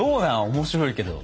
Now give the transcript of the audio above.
面白いけど。